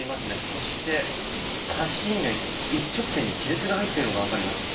そして、橋に一直線に亀裂が入っているのが分かります。